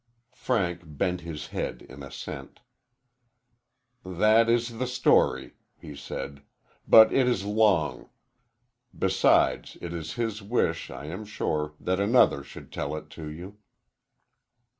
Frank bent his head in assent. "That is the story," he said, "but it is long. Besides, it is his wish, I am sure, that another should tell it to you."